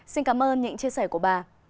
xin cảm ơn những chia sẻ của bà